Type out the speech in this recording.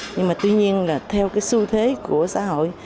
nhưng mà tuy nhiên là theo cái xu thế của xã hội